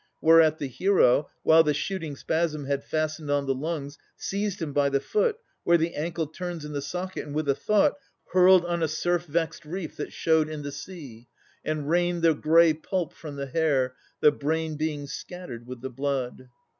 Whereat the hero, while the shooting spasm Had fastened on the lungs, seized him by the foot Where the ankle turns i' the socket, and, with a thought, Hurl'd on a surf vex'd reef that showed i' the sea: And rained the grey pulp from the hair, the brain Being scattered with the blood.